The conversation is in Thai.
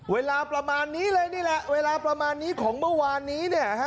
เวลาประมาณนี้เลยนี่แหละเวลาประมาณนี้ของเมื่อวานนี้เนี่ยฮะ